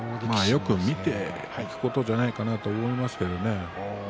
よく見ていくことじゃないかなと思いますけどね。